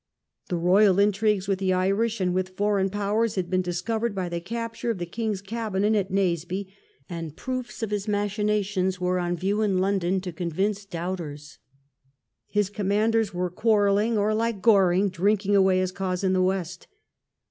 The Royal intrigues with the Irish and with foreign powers had been discovered by the capture of the king's cabinet at Naseby, and proofs of his machinations were on view in London to convince doubters. His commanders were quarrelling, or, like Goring, drinking away his cause in the West.